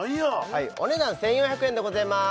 お値段１４００円でございます